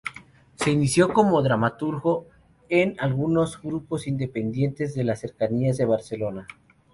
Se inició como dramaturgo en algunos grupos independientes de las cercanías de Barcelona.